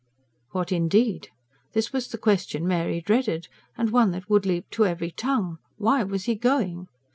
What indeed! This was the question Mary dreaded, and one that would leap to every tongue: why was he going?